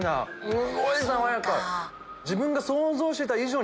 すごい爽やか！